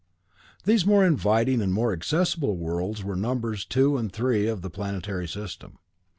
These more inviting and more accessible worlds were numbers two and three of the planetary system.